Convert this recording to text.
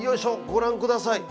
ご覧ください。